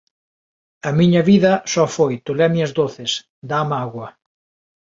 A miña vida só foi tolemias doces, dá mágoa.